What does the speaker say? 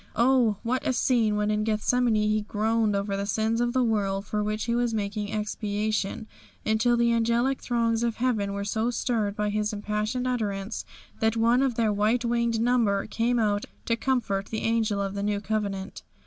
Oh! what a scene when in Gethsemane He groaned over the sins of the world for which He was making expiation, until the angelic throngs of heaven were so stirred by His impassioned utterance that one of their white winged number came out and down to comfort the Angel of the New Covenant!